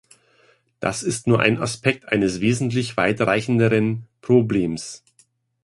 Das ist nur ein Aspekt eines wesentlich weitreichenderen Problems.